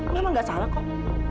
mama gak salah kok